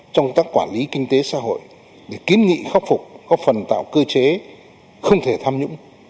trong tác quản lý kinh tế xã hội để kiến nghị khắc phục góp phần tạo cơ chế không thể tham nhũng